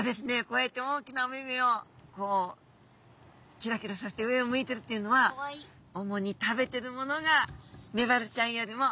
こうやって大きなお目々をこうキラキラさせて上を向いてるっていうのは主に食べてるものがメバルちゃんよりも上を泳ぐ小魚。